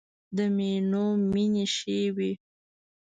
د مینو مینې ښې وې.